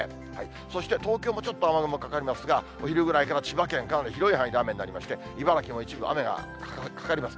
そして東京もちょっと雨雲かかりますが、お昼ぐらいから、千葉県、かなり広い範囲で雨になりまして、茨城も一部雨がかかります。